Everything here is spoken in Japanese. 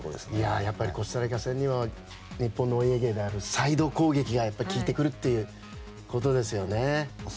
やっぱりコスタリカ戦は日本のお家芸であるサイド攻撃が効いてくるっていうことですよね。